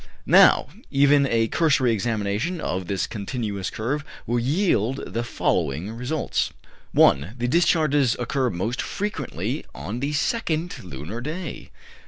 Now, even a cursory examination of this continuous curve will yield the following results: 1. The discharges occur most frequently on the second lunar day.